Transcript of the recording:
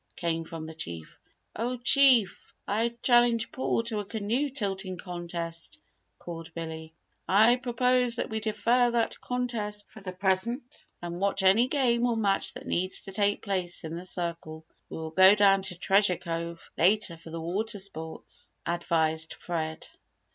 came from the Chief. "Oh Chief! I challenge Paul to a canoe tilting contest," called Billy. "I propose that we defer that contest for the present and watch any game or match that needs to take place in the circle. We will go down to Treasure Cove later for the water sports," advised Fred.